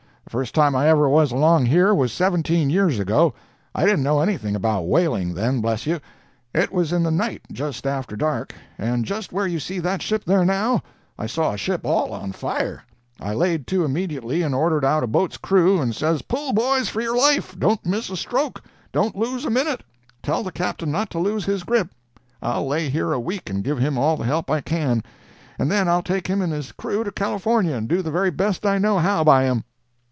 The first time I ever was along here was seventeen years ago. I didn't know anything about whaling then, bless you. It was in the night, just after dark, and just where you see that ship there now, I saw a ship all on fire! I laid to immediately and ordered out a boat's crew, and says, 'Pull, boys, for your life! Don't miss a stroke—don't you lose a minute! Tell the Captain not to lose his grip. I'll lay here a week and give him all the help I can, and then I'll take him and his crew to California, and do the very best I know how by 'em.'